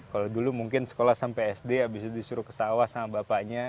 kalau dulu mungkin sekolah sampai sd abis itu disuruh ke sawah sama bapaknya